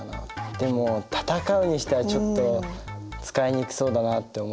でも戦うにしてはちょっと使いにくそうだなって思うけど。